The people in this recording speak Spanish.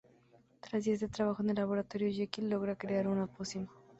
Tras días de trabajo en el laboratorio, Jekyll logra crear una pócima.